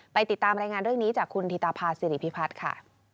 ติดตามรายงานเรื่องนี้จากคุณธิตาภาษิริพิพัฒน์ค่ะ